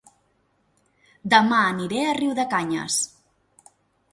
Dema aniré a Riudecanyes